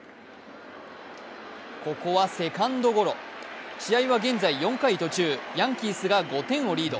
ここはセカンドゴロ試合は現在４回途中ヤンキースが５点をリード。